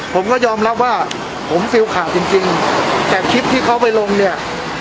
ผมก็ยอมรับว่าผมฟิลลข่าวจริงจริงแต่คลิปที่เขาไปลงเนี่ย